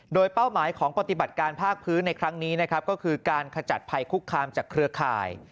โดยเป้าหมายของปฏิบัติการภาคพื้นในครั้งนี้นะครับก็คือการขจัดภัยคุกคามจากเครือข่าย